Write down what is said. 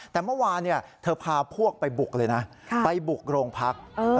แต่เมื่อวานเธอพาพวกไปบุกเลยนะไปบุกโรงพัก